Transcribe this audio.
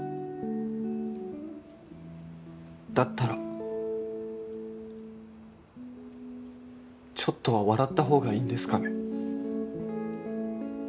だったらちょっとは笑ったほうがいいんですかね？